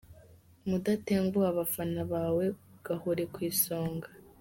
Mudatenguha abafana bawe, gahore ku isonga.